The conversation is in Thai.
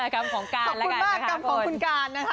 กรรมของการแล้วกันนะคะขอบคุณมากกรรมของคุณการนะคะ